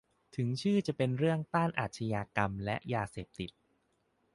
ถึงชื่อจะเป็นเรื่องต้านอาชญากรรมและยาเสพติด